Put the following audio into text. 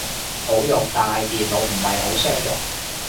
好用，但係電腦唔係好相容